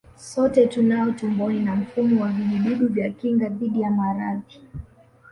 Sote tunao tumboni na mfumo wa vijidudu vya kinga dhidi ya maradhi